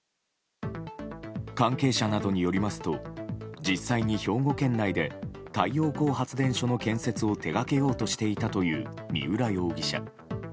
関係者などによりますと実際に兵庫県内で太陽光発電所の建設を手掛けようとしていたという三浦容疑者。